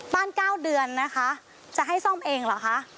๙เดือนนะคะจะให้ซ่อมเองเหรอคะ